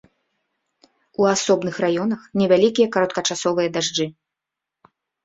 У асобных раёнах невялікія кароткачасовыя дажджы.